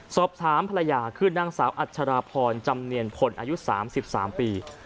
สอบถามภรรยาคือนางสาวอัชราพรจำเนียนพลอายุ๓๓ปี